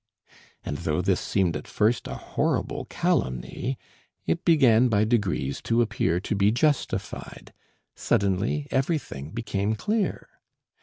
And though this seemed at first a horrible calumny, it began by degrees to appear to be justified; suddenly everything became clear.